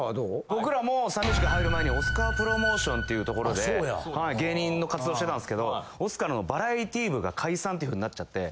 僕らもサンミュージック入る前にオスカープロモーションっていうところで芸人の活動してたんすけどオスカーのバラエティー部が解散っていうふうになっちゃって。